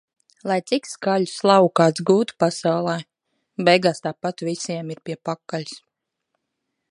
Lai cik skaļu slavu kāds gūtu pasaulē - beigās tāpat visiem ir pie pakaļas.